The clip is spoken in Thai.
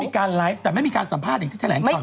มีการไลฟ์แต่ไม่มีการสัมภาษณ์อย่างที่แถลงข่าว